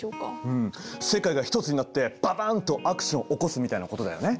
うん世界が一つになってババンとアクション起こすみたいなことだよね。